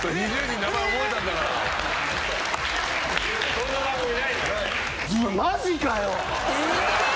そんな番組ないよ。